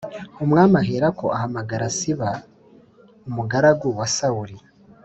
Umwami aherako ahamagara Siba umugaragu wa Sawuli